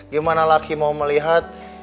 gimana laki mau melihat